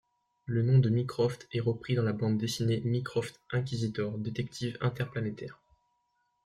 Le nom de Mycroft est repris dans la bande dessinée Mycroft Inquisitor détective interplanétaire.